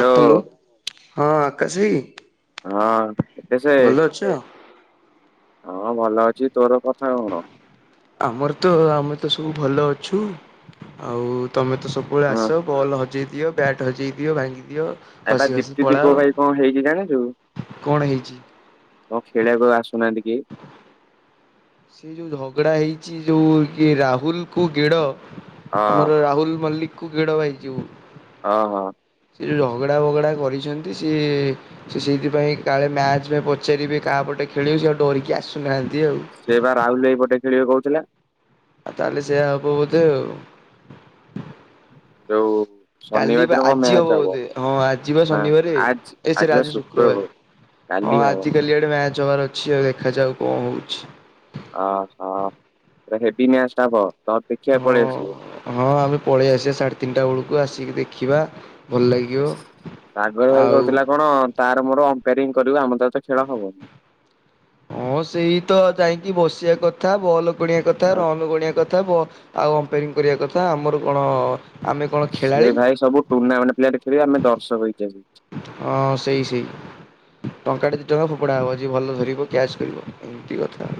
Hello ହଁ ଆକାଶ ଆଇ। ହଁ କେତେ ସେ ହଁ ଭଲ ଅଛି ତୋର କଥା କଣ। ଆମର ତ ଆମେ ତ ସବୁ ଭଲ ଅଛୁ ଆଉ ତମେ ତ ସବୁବେଳେ ହଁ ଆସ ବଲ୍ ହଜେଇ ଦିଅ ବ୍ୟାଟ୍ ହଜେଇ ଦିଅ ଭାଙ୍ଗିଦିଅ। ଏଇବା ଦୀପ୍ତି ଦୀପକ ଭାଇ କଣ ହେଇକି ଜାଣିଚୁ। କଣ ହେଇଛି? କଁ ଖେଳିବାକୁ ଆଉ ଆସୁନାହାନ୍ତି କେହି। ସେଇ ଯୋଉ ଝଗଡ଼ା ହେଇଛି ଯୋଉ କିଏ ରାହୁଲ କୁ ଗେଡ଼ ହଁ ଆମର ରାହୁଲ ମଲ୍ଲିକ କୁ ଗେଡ଼ ଭାଇ ଯୋଉ ହଁ ହଁ। ସେ ଯେ ଝଗଡ଼ା ବଗଡ଼ା କରିଛନ୍ତି ସିଏ ସେ ସେଇଥିପାଇଁ କାଳେ ମ୍ୟାଚ୍ ରେ ପଚାରିବେ କାହା ପଟେ ଖେଳିବୁ ସେ ଆଉ ଡରିକି ଆସୁନାହାନ୍ତି ଆଉ। ସେ ବା ରାହୁଲ ଏଇ ପଟେ ଖେଳିବେ କହୁଥିଲା। ଆଉ ତାହେଲେ ସେଇଆ ହବ ବୋଧେ ଆଉ। ଯୋଉ କାଲି ଶନିବାର ବା ଦିନ କଣ ଆଜି ମ୍ୟାଚ ହବ ବୋଧେ ହଁ ଆଜି ବା ନା ଶନିବାର ଆଜି ଏସାରି ବା ଆଜି ଶୁକ୍ରବାର। କାଲି ହଁ ହବ ଆଜି କାଲି ଏଡେ ମ୍ୟାଚ ହବାର ଅଛି ଆଉ ଦେଖାଯାଉ କଣ ହଉଛି। ଅ ହ ପୂରା ହେବି ମ୍ୟାଚ୍ ଟା ହବ ତ ଦେଖିବାକୁ ହଁ ପଳେଇ ଆସିବ। ହଁ ଆମେ ପଳେଇ ଆସିବା ସାଢ଼େ ତିନିଟା ବେଳକୁ ଆସିକି ଦେଖିବା। ଭଲ ଲାଗିବ ସାଗର ଭାଇ ଆଉ କହୁଥିଲା କଣ ତାର ମୋର ଅମ୍ପେରିଂ କରିବୁ ଆମର ତ ଏତେ ଖେଳ ହବନି। ହଁ ସେଇ ତ ଯାଇକି ବସିବା କଥା ବଲ ଗଣିଆ କଥା ଆ ରନ ଗଣିଆ କଥା ବ ଆଉ ଅମ୍ପେରିଂ କରିବା କଥା ଆମର କଣ ଆମେ କଣ ସେ ଖେଳାଳି? ଭାଇ ସବୁ ଟୁର୍ଣ୍ଣାମେଣ୍ଟ ପ୍ଲେୟାର ଖେଳିବେ ଆମେ ଦର୍ଶକ ହେଇଛନ୍ତି। ଅଁ ସେଇ ସେଇ ଟଙ୍କାଟେ ଦି ଟଙ୍କା ଫୋପଡା ହବ ଯିଏ ଭଲ ଧରିବ କ୍ୟାସ୍ କରିବ ଏମିତି କଥା।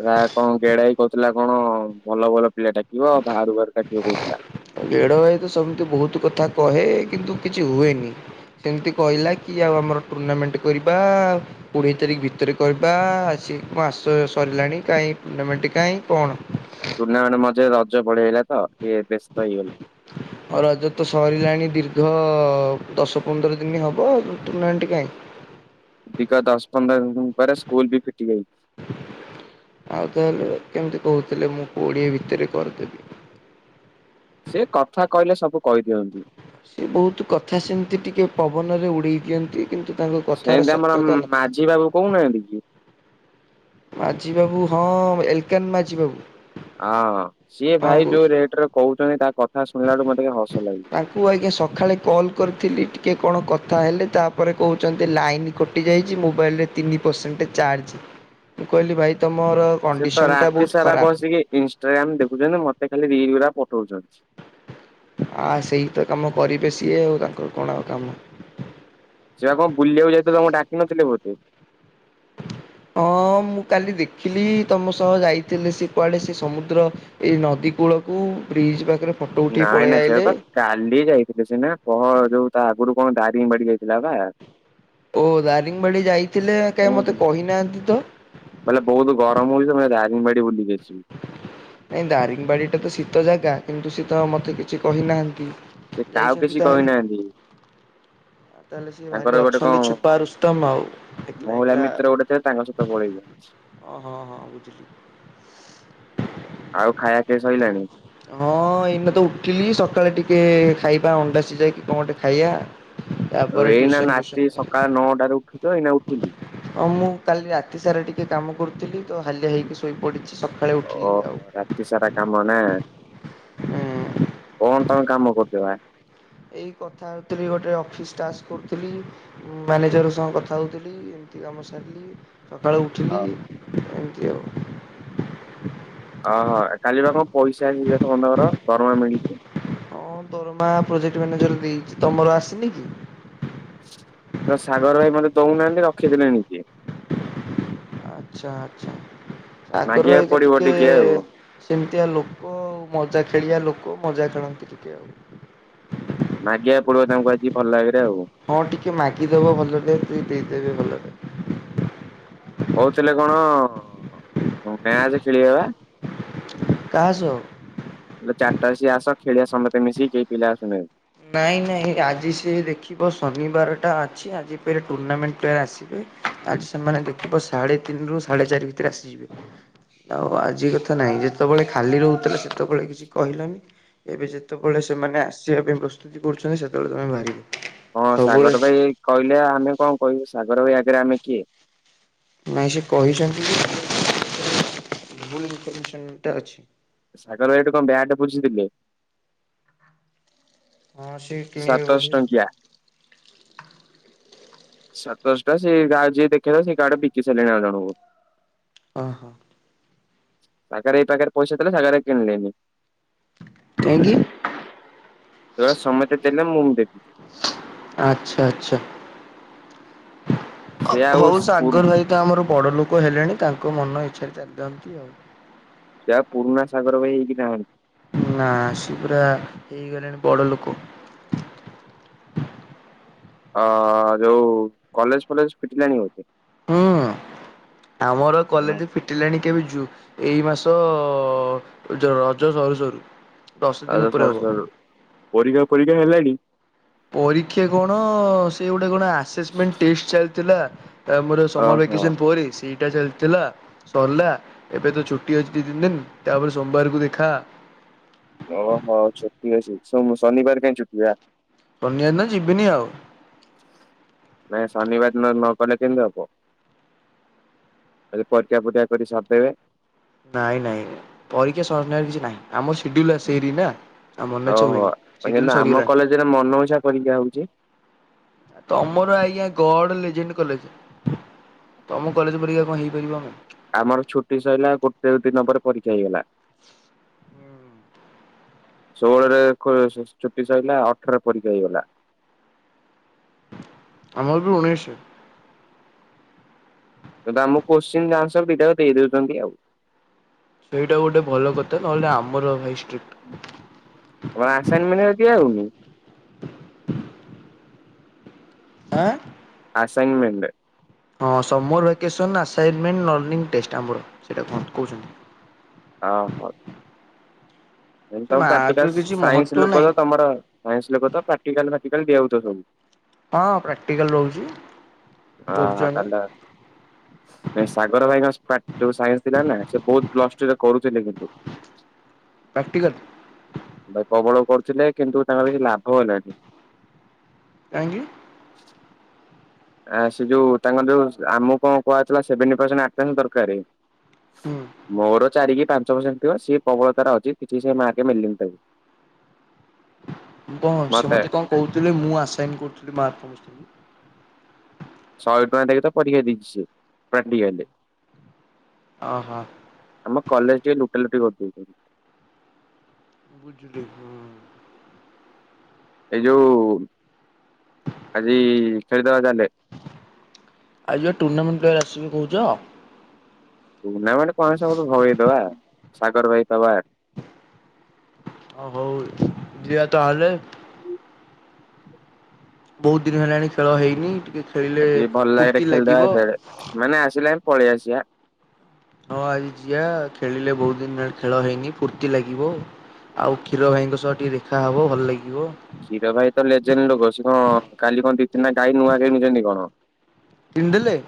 ପ୍ରାୟ କଣ ଗେଡା ଆଇ କହୁଥିଲା କଣ ଭଲ ଭଲ ପିଲା ଡାକିବ ବାହାରୁ ବାହାରୁ ଡାକିବ କହୁଥିଲା। ଗେଡ ଭାଇ ତ ସେମିତି ବହୁତ କଥା କହେ କିନ୍ତୁ କିଛି ହୁଏନି। ସେମିତି କହିଲା କି ଆଉ ଆମର ଟୁର୍ଣ୍ଣାମେଣ୍ଟ କରିବା ଆଉ କୋଡିଏ ତାରିଖ ଭିତରେ କରିବା ଆସି ମାସ ସରିଲାଣି କାହିଁ ଟୁର୍ଣ୍ଣାମେଣ୍ଟ କାହିଁ କଣ ଟୁର୍ଣ୍ଣାମେଣ୍ଟ ମଝୁରେ ରଜ ପଳେଇ ଆଇଲା ତ ଟିକେ ବ୍ୟସ୍ତ ହେଇଗଲେ। [inaudible] ହଉ ରଜ ତ ସରିଲାଣି ଦୀର୍ଘ ଦଶ ପନ୍ଦର ଦିନ ହବ [inaudible] କାହିଁ। ଦୀର୍ଘ ଦଶ ପନ୍ଦର ଦିନ ପରେ ସ୍କୁଲ ବି ଫିଟି ଯାଇଛି। ଆଉ ତାହେଲେ କେମିତି କହୁଥିଲେ ମୁଁ କୋଡିଏ ଭିତରେ କରିଦେବି। ସେ କଥା କହିଲେ ସବୁ କହିଦିଅନ୍ତି। ସେ ବହୁତ କଥା ସେମିତି ଟିକେ ପବନରେ ଉଡେଇ ଦିଅନ୍ତି କିନ୍ତୁ ତାଙ୍କ କଥାର ସେମିତି ଆମର ସତ୍ୟତା ମାଝି ବାବୁ ନଥାଏ। କହୁନାହାନ୍ତି କି ମାଝୀ ବାବୁ ହଁ ଏଲକାନ ମାଝୀ ବାବୁ। ହଁ ସିଏ ହଁ ଭାଇ କହୁଛି। ଯୋଉ ରେଟ୍ ରେ କହୁଛନ୍ତି ତା କଥା ଶୁଣିଲାଠୁ ମତେ କାଇଁ ହସ ଲାଗୁଛି। ତାକୁ ଆଜ୍ଞା ସକାଳେ କଲ କରିଥିଲି ଟିକେ କଣ କଥା ହେଲେ ତାପରେ କହୁଛନ୍ତି ଲାଇନ କଟିଯାଇଛି ମୋବାଇଲରେ ତିନି ପରସେଣ୍ଟ ଚାର୍ଜ ମୁଁ କହିଲି ଭାଇ ତମର ସେ ତ କଣ୍ଡିସନଟା ରାତି ବହୁତ ସାରା ଖରାପ। ବସିକି ଇନସଟାଗ୍ରାମ ଦେଖୁଛନ୍ତି ମତେ ଖାଲି ରିଲ ଗୁଡା ପଠଉଛନ୍ତି। ହଁ ସେଇ ତ କାମ କରିବେ ସିଏ ଆଉ ତାଙ୍କର କଣ ଆଉ କାମ। ସିଏ ପା କଣ ବୁଲିବାକୁା ଯାଇଥିଲେ ତମକୁ ଡାକିିନଥିଲେ ବୋଧେ। ହଁ ମୁଁ କାଲି ଦେଖିଲି ତମ ସହ ଯାଇଥିଲେ ସେ କୁଆଡେ ସେ ସମୁଦ୍ର ଏଇ ନଦୀ କୂଳକୁ ବ୍ରିଜ ପାଖରେ ଫଟୋ ଉଠେଇ ନାଇଁ ପଳେଇ ନାଇ ସେ ଆଇଲେ। ତ କାଲି ଯାଇଥିଲେ ସିନା ପହ ଯୋଉ ତା ଆଗରୁ କଣ ଦାରିଙ୍ଗ ବାଡି ଯାଇଥିଲା ପା। ଓ ଦାରିଙ୍ଗବାଡ଼ି ଯାଇଥିଲେ କାଇ ମତେ ଉଁ କହିନାହାନ୍ତି ତ। କହିଲା ବହୁତ ଗରମ ହଉଛି ତ ମୁ ଯାଉଚି ଦାରିଙ୍ଗବାଡ଼ି ବଲିକି ଆସିବି। ନାଇଁ ଦାରିଙ୍ଗବାଡି ଟା ତ ଶୀତ ଜାଗା କିନ୍ତୁ ସିଏତ ମତେ କିଛି କହିନାହାନ୍ତି। ସେ କାହାକୁ ଯାଇଛନ୍ତି କିଛି ତାହେଲେ। କହିନାହାନ୍ତି। [inaudible] ଆଉ ତାହେଲେ ସିଏ ଭାରି ତାଙ୍କର ଗୋଟେ କଣ ଅଛନ୍ତି ଛୁପାରୁସ୍ତମ ଆଉ ଏକଲା ମହିଳା ଏକଲା ମିତ୍ର ଗୋଟେ ଥିଲେ ତାଙ୍କ ସହିତ ପଳେଇଛନ୍ତି। ଓ ହଁ ହଁ ବୁଝିଲି। ଆଉ ଖାଇବା ପିଇବା ସଇଲାଣି। ହଁ ଏଇନ ତ ଉଠିଲି ସକାଳେ ଟିକେ ଖାଇବା ଅଣ୍ଡାସିିଝା କି କଣ ଗୋଟେ ଖାଇବା। ଆଉ ତାପରେ ଏଇନା ଟିଉସନ ଫିଉସନ ନାତି ସକାଳ ନଅଟାରେ ଉଠୁଛ ଏଇନା ଉଠିଲି। ହଁ ମୁଁ କାଲି ରାତି ସାରା ଟିକେ କାମ କରୁଥିଲି ତ ହାଲିଆ ହେଇକି ଶୋଇପଡିଛି ସକାଳ ଓହୋ ରାତି ସାରା କାମ ନା ହୁଁ କଣ ତମେ କାମ କରୁଥିବ। ଏଇ କଥା ହଉଥିଲି ଗୋଟେ ଅଫିସ୍ ଟାସ୍ କରୁଥିଲି। ମ୍ୟାନେଜଙ୍କର ସହ କଥା ହଉଥିଲି ଏମିତି କାମ ସାରିଲି। ସକାଳୁ ଉଠିଲି ଏମିତି ଆଉ। ଓହୋ କାଲି ବା କଣ ପଇସା ଆସିଛି ସମସ୍ତଙ୍କର ଦରମା ମିଳିଚି। ହଁ ଦରମା ପ୍ରୋଜେକ୍ଟ ମ୍ୟାନେଜର ଦେଇଛି ତମର ଆସିନି କି? ତ ସାଗର ଭାଇ ମୋତେ ଦଉନାହାନ୍ତି ରଖିଦେଲେ ନିଜେ। ଆଚ୍ଛା ଆଛା ସାଗର ମାଗିବାକୁ ଭାଇ ତ ପଡିବ ଟିକେ ଆଉ। ସେମିତିଆ ଲୋକ ଆଉ ମଜା ଖେଳିଆ ଲୋକ ମଜା ଖେଳନ୍ତି ଟିକେ ଆଉ। ମାଗିବାକୁ ପଡିବ ତାଙ୍କୁ ଆଜି ଭଲ ବାଗରେ ଆଉ। ହଁ ଟିକେ ମାଗିଦବ ଭଲରେ ସିଏ ଦେଇଦେବେ ଭଲରେ। କହୁଥିଲେ କଣ ମ୍ୟାଚ ଖେଳିିବା ପା? କାହା ସହ? ହେଲେ ଚାରିଟା ସି ଆସ ଖେଳିବା ସମେ ମିଶିକି କେହି ପିଲା ଆସୁନାହାନ୍ତି। ନାଇଁ ନାଇଁ ଆଜି ସେ ଦେଖିବ ଶନିବାରଟା ଅଛି ଆଜି ଫେର୍ ଟୁର୍ଣ୍ଣାମେଣ୍ଟ ପାଇ ଆସିବେ। ଆଜି ସେମାନେ ଦେଖିବ ସାଢେ ତିନିରୁ ସାଢେଚାରି ଭିତରେ ଆସିଯିବେ। ଆଉ ଆଜି କଥା ନାହିଁ ଯେତେବେଳେ ଖାଲି ରହୁଛି ସେତେବେଳେ କିଛି କହିଲନି ଏବେ ଯେତେବେଳେ ସେମାନେ ଆସିବା ପାଇଁ ପ୍ର ଯଦି କରୁଛନ୍ତି ସେତେବେଳେ ତୁମେ ବାହାରିବ। ହଁ ସବୁବେଳେ ସାଗର ଭାଇ କହିଲେ ଆମେ କଣ କହିବୁ ସାଗର ଭାଇ ଆଗରେ ଆମେ କିଏ? ନାଇଁ ସେ କହିଛନ୍ତି [inaudible] ସାଗର ଭାଇଠୁ କଣ ବ୍ୟାଟେ ବୁଝିଥିଲେ ହଁ ସିଏ କିଣିବେ ସାତଶହ ବୋଧ ଆଉ ଟଙ୍କିଆ। ସାତଶଟା ସେ ଗାଁ ଯିଏ ଦେଖେଇ ସେଇ କାଡ ବିକି ସାରିଲାଣି ଆଉ ଜଣଙ୍କୁ ଓ ହଁ। ସାଗର ଭାଇ ପାଖରେ ପଇସା ଥିଲା ସାଗର ଭାଇ କିଣିଲେନି କାହିଗି। ସମେତେ ଦେଲେ ମୁଁ ଦେବି ଆଚ୍ଛା ଆଚ୍ଛା। ସେ ଆଉ ହଉ ପୁରୁ ସାଗର ଭାଇତ ଆମର ବଡ ଲୋକ ହେଲେଣି ତାଙ୍କ ମନ ଇଚ୍ଛାରେ ଚାଲିଥାନ୍ତି ଆଉ ସେ ପୁରୁଣା ସାଗର ଭାଇ ହେଇକି ନାହାନ୍ତି ନା ସେ ପୁରା ହେଇଗଲେଣି ବଡ ଲୋକ ଅ ଯୋଉ କଲେଜ ଫଲେଜ ଫିଟିଲାଣି ବୋଧେ ହୁଁ ଆମର କଲେଜ ଫିଟିଲାଣି କେବେ ଯୁ ଏଇ ମାସ ରଜ ସରୁ ସରୁ ଦଶ ଆ ଦିନ ଉପରେ ସ ହବ। ପରୀକ୍ଷା ଫରୀକ୍ଷା ହେଲାଣି? ପରୀକ୍ଷା କଣ ସେ ଗୋଟେ କଣ ଆସେସମେଣ୍ଟ ଟେଷ୍ଟ ଚାଲିଥିଲା। ତା ମୋର ସମର ଓହୋ ଭ୍ୟାକେସନ ପରେ ସେଇ ଏଟା ଚାଲିଥିଲା ସରିଲା ଏବେ ତ ଛୁଟି ଅଛି ଦି ତିନି ଦିନ ତାପରେ ସୋମବାରକୁ ଦେଖା ଓହୋ ଛୁଟି ଅଛି ଶନିବାର କାଇହିଁ ଛୁଟିିବା ଶନିବାର ଦିନ ଯିବିନି ଆଉ। ନାଇଁ ଶନିବାର ଦିନ ନ ଗଲେ କେମିତି ହବ। ପରୀକ୍ଷା ଫରୀକ୍ଷା କରି ସାରିଦେବେ ନାଇଁ ନାଇଁ ପରୀକ୍ଷା ସର୍ଣାର କିଛି ନାହିଁ ଆମ ସିଡ୍ୟୁଲ୍ ଆସରି ନା ଆଉ ମନେଛ ହୁଏନି ସିଡ୍ୟୁଲ୍ ସରିଗଲାଣି ସେଟା ମନ ଇଛା ପରିକ୍ଷା ହଉଛି। ତମର ଆଜ୍ଞା ଗଡ ଲେଜେଣ୍ଡ କଲେଜ ତୁମ କଲେଜ ପରିକା କଣ ହେଇପାରିବ ଆମ ଆମର ଛୁଟି ସରିଲା ଗୋଟେ ଦିନ ପରେ ପରୀକ୍ଷା ହେଇଗଲା ଷୋହଳରେ ଛୁଟି ସରିଲା ଅଠରରେ ପରୀକ୍ଷା ହେଇଗଲା ଆମର ବି ଉଣେଇସ ତ ଆମ କୋଶ୍ଚିନ୍ ଆନ୍ସର ଦିଇଟାକ ଦେଇଦଉଛନ୍ତି ଆଉ ସେଇଟା ଗୋଟେ ଭଲ କଥା ନହେଲେ ଆମର ଭାଇ ଷ୍ଟ କଣ ଆସାଇନମେଣ୍ଟ ଦିଆ ହଉନି? ଆଁ। ଆସାଇନମେଣ୍ଟ? ହଁ summer vacation assignment learning test ଆମର ସେଇଟା କ କହୁଛନ୍ତି ହଁ ହଉ। ଏ ସେ ତମ ମାର୍କର ପ୍ରାକ୍ଟିକାଲ କିଛି ମହତ୍ଵ ସାଇନ୍ସ ଲୋକ ନାହିଁ ତମର ସାଇନ୍ସ ଲୋକ ତ ପ୍ରାକ୍ଟିକାଲ ଫ୍ରାକ୍ଟିକାଲ ଦିଆ ହଉଥିବ ସବୁ। ହଁ ପ୍ରାକ୍ଟିକାଲ ରହୁଛି। ଅ କରୁଛୁ ହଁ ଆମେ। ତାଲେ। ନାଇଁ ସାଗର ଭାଇଙ୍କ ଯୋଉ ସାଇନ୍ସ ଥିଲା ନା ସେ ବହୁତ ପ୍ଲସ୍ ଟୁ ରେ କରୁଥିଲେ କିନ୍ତୁ। ପ୍ରାକ୍ଟିକାଲ। ଭାଇ ପ୍ରବଳ ପଢୁଥିଲେ କିନ୍ତୁ ତାଙ୍କର କିଛି ଲାଭ ହେଲନୀ। କାହିଁକି। ଆ ସେ ଯେଉଁ ତାଙ୍କର ଯେଉଁ ଆମକୁ କଣ କୁହଥିଲା ସେଭେଣ୍ଟି ପରସେଣ୍ଟ ଆଟଣ୍ଡ ଦରକାର। ହୁଁ ମୋର ଚାରି କି ପାଞ୍ଚ ପରର୍ସେଣ୍ଟ ଥିବ ସେି ପ୍ରବଳତାର ଅଛି କିଛି ସେ ମାକେ ମିଲିନି। ମୁଁ କଣ ସେ ମତେ ମୋତେ କଣ କହୁଥିଲେ ମୁଁ ଆସନ କରୁଥିଲି ମହାଆତ୍ଷ୍ୀ [unintelligible] ଶହେ ଟଙ୍କା ଦେଇ କି ତପରିକ୍ଷାଦେଇଛି ସେ ପ୍ରାକ୍ଟିକାଲ। ଅହୋ। ଆମ କଲେଜ ଟିକେ ଲୁଟା ଲୁଟି କରିଦେଇଉଛନ୍ତି। ବୁଝିଲି ହଁ। ଏଇ ଯୋଉ ଆଜି ଖେଳି ଦେବା ତାହାଲେ। ଆଜି ବା ଟୁର୍ଣ୍ଣାମେଣ୍ଟ ପ୍ରେ ଆସିବ କହୁଛ। ଟୁର୍ଣ୍ଣାମେଣ୍ଟ କଣ ସମସ୍ତ ଙ୍କୁ ଭଗେଇଦବା ସାଗର ଭାଇ ଦବା। ଆ ହଉ ଯିିବା ତାହେଲେ। ବହୁତ ଦିନ ହେଲାଣି ଖେଳ ହେଇନି ଟିକେ ଖେଳିଲେ ଆଜି ଭଲ ଲାଗେରେ ଫୁର୍ତ୍ତି ଲାଗିବ। ଖେଳିଦେବାତେବେଳେ ସେମାନେ ଆସିଲା ପଳେଇ ଆସିବା। ହଁ ଆଜି ଯିବା ଖେଳିଲେ ବହୁତ ଦିନ ବଳେ ଖେଳ ହେଇନି ଫୁର୍ତ୍ତି ଲାଗିବ। ଆଉ କ୍ଷୀର ଭାଇଙ୍କ ସହ ଟିକେ ଦେଖାହବ ଭଲ ଲାଗିବ। କ୍ଷୀର ଭାଇ ତ ଲେଜେଣ୍ଡ ଲୋକ ସେ କଣ କାଲି କଣ ଦି ତିିନିଟା ଗାଈ ନୂଆ କିଣୁଛନ୍ତି କଣ? କିଣିଦେଲେ।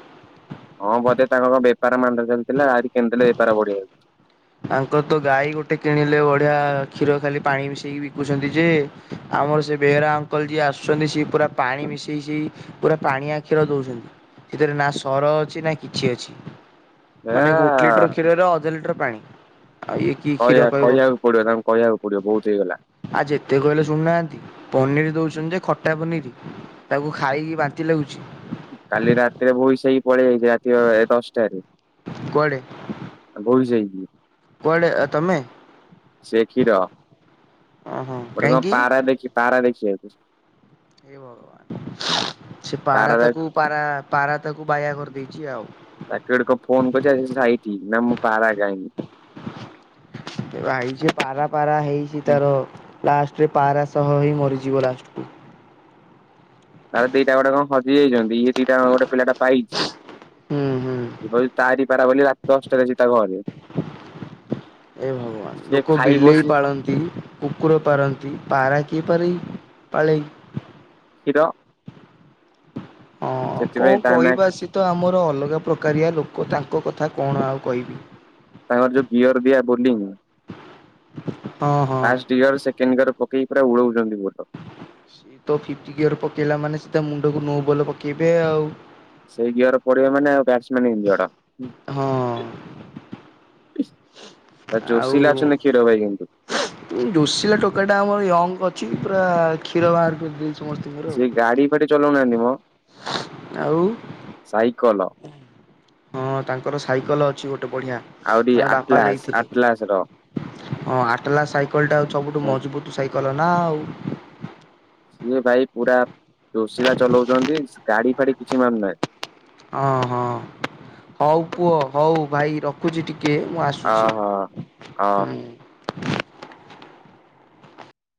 ହଁ ବୋଧେ ତାଙ୍କ ବେପାର ମାନ୍ଦା ଚାଲିଥିଲା ଆରି କେଣି ଦେଲେ ବେପାର ବଢିଆଯିବ। ତାଙ୍କର ତ ଗାଈ ଗୋଟେ କିଣିଲେ ବଢିଆ କ୍ଷୀର ଖାଲି ପାଣି ମିଶେଇକି ବିକୁଛନ୍ତି ଯେ ଆମର ସେ ବେହେରା ଅଙ୍କଲ ଯିଏ ଆସୁଛନ୍ତି ସିଏ ପୁରା ପାଣି ମିଶେଇ ସେଇ ପୁରା ପାଣି ଆ କ୍ଷୀର ଦଉଛନ୍ତି ସେଥିରେ ନା ସର ଅଛି ନା କିଛି ଅଛି। ଏ ମାନେ ଗୋଟେ ଲିଟର କ୍ଷୀରରେ ଅଧ ଲିଟର ପାଣି ଆଉ ଇଏ କି କ୍ଷୀର କହିବା କହିବ କହିବାକୁ ପଡିବ ତାମକୁ କହିବାକୁ ପଡିବ ବହୁତ ହେଇଗଲା। ଆ ଯେତେ କହିଲେ ଶୁଣୁନାହାନ୍ତି ପନିର ଦଉଛନ୍ତି ଯେ ଖଟା ପନିର। ତାକୁ ଖାଇକି ବାନ୍ତି ଲାଗୁଛି। କାଲି ରାତିରେ ଭୋଇ ସାଇ ପଳେଇ ଯାଇଛି ରାତି ଦଶଟା ରେ। କୁଆଡ଼େ? ଆଉ ଭୋଇ ସାଇକି। କୁଆଡେ ତମେ? ସେ କ୍ଷୀର ଓହୋ ଗୋଟେ କଣ କାହିଁକି? ପାରା ଦେଖି ପାରା ଦେଖି ଆଛି। ହେ ଭଗବାନ ସେ ପାରା ତାକୁ ପାରା ପାରା ତାକୁ ବାୟା କରିଦେଇଛି ଆଉ। ତାକୁ ଆଡ କ ଫୋନ କରିଛି ଆ ସାଇଠିକି ନା ମୁଁ ପାରା କାହିଁନି। ବାଇଛି ପାରା ପାରା ହେଇଛି ତାର ଲାଷ୍ଟରେ ପାରା ସହ ହିଁ ମରିଯିବ ଲାଷ୍ଟକୁୁ। ତାଲେ ଦିଟା ଗୋଟେ କଣ ହଜି ଯାଇଛନ୍ତି ଇଏ ଦିଟା ଗୋଟେ ପିଲାଟା ପାଇଛି। ହୁଁ ହୁଁ ଏ ତାରି ପାରା ବୋଲି ରାତି ଦଶଟାରେ ଯଛି ତା ଘରେ। ଏ ଭଗବାନ ସିଏ ଲୋକ ଖାଇ ବିଲେଇ ବସି ପାଳନ୍ତି କୁକୁର ପାରନ୍ତି ପାରା କିଏପାର ପାଳେଇ। କ୍ଷୀର ହଁ କଣ ସେଥିପାଇଁ ତା ନା କହିବା ସେ ତ ଆମର ଅଲଗା ପ୍ରକାରିଆ ଲୋକ ତାଙ୍କ କଥା କଣ ଆଉ କହିବି? ତାଙ୍କର ଯୋଉ ଗିଅର ଦିଆ ବୋଲିଂ ହଁ ହଁ। [unintelligible] ସିଏ ତ ଫିପି ଗୀୟର ପକେଇଲା ମାନେ ସିଟା ମୁଣ୍ଡକୁ ନୋବଲ ପକେଇବେ ଆଉ। ସେଇ ଘିଅର ପଡିବା ମାନେ ଆଉ ବ୍ୟାଚ ମ୍ୟାନ ଇଁଞ୍ଜଡ। ହଁ। ଯୋଶୀଲା ଅଛନ୍ତି କ୍ଷୀର ଭାଇ କିନ୍ତୁ। ଯୋଶିଲା ଟୋକା ଟା ଆମର ୟଙ୍ଗ ଅଛି ପୁରା କ୍ଷୀର ବାହାର କରିଦେଇଛି। ସମସ୍ତଙ୍କର ଆଉ। ସେ ଗାଡି ଫାଡି ଚଲାଉନାହାନ୍ତି ମୋ ଆଉ ସାଇକେଲ। ହଁ ତାଙ୍କର ସାଇକେଲ ଅଛି ଗୋଟେ ବଢିଆ। ଆହୁରି ଆଟଲାସ ଆଟଲାସ ର। ହଁ ଆଟଲା ସାଇକେଲ ଟା ସବୁଠୁ ମଜବୁତ ସାଇକେଲ ନା ଆଉ। ସିଏ ଭାଇ ପୁରା ଚୋସିଲା ଚଲାଉଛନ୍ତି ଗାଡି ଫାଡି କିଛି ମାନୁନାହିଁ। ହଁ ହଁ ହଉ ପୁଅ ହଉ ଭାଇ ରଖୁଛି ଟିକେ ମୁଁ ଆସ ଅ ହଁ, ହ।